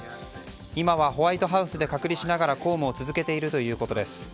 今はホワイトハウスで隔離しながら公務を続けているということです。